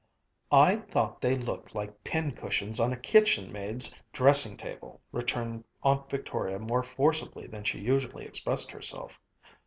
"I thought they looked like pin cushions on a kitchen maid's dressing table," returned Aunt Victoria more forcibly than she usually expressed herself.